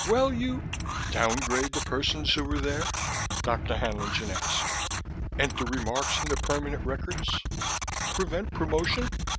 "Well, you " "Downgrade the persons who were there?" Dr. Haenlingen asked. "Enter remarks in the permanent records? Prevent promotion?